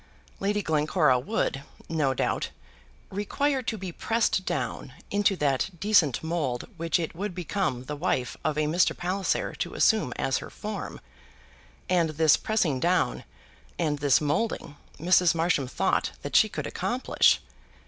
Lady Glencora would, no doubt, require to be pressed down into that decent mould which it would become the wife of a Mr. Palliser to assume as her form; and this pressing down, and this moulding, Mrs. Marsham thought that she could accomplish.